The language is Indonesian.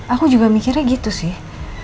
aku juga mikirnya gitu sih